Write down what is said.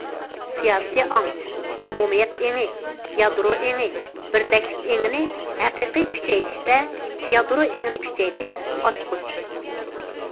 سىياسىي ئاڭ، ئومۇمىيەت ئېڭى، يادرو ئېڭى، بىردەكلىك ئېڭىنى ھەقىقىي كۈچەيتىشتە يادرو ئېڭىنى كۈچەيتىش ئاچقۇچ.